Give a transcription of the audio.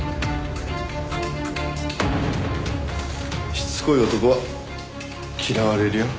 しつこい男は嫌われるよ。